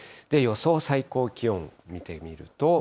予想最高気温、見てみると。